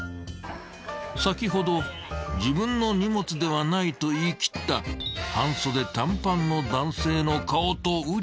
［先ほど自分の荷物ではないと言いきった半袖短パンの男性の顔とうり二つ］